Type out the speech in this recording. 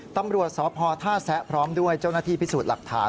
ตำรวจสพท่าแซะพร้อมด้วยเจ้าหน้าที่พิสูจน์หลักฐาน